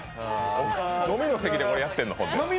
飲みの席でやってるの？